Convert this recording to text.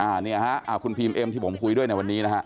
อ่าเนี่ยครับคุณพรีมเอ็มผมคุยด้วยในวันนี้นะครับ